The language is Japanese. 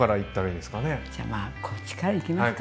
じゃまあこっちからいきますか。